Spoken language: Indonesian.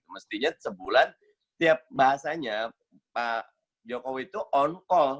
mestinya sebulan tiap bahasanya pak jokowi itu on call